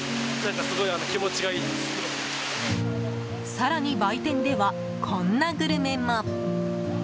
更に、売店ではこんなグルメも。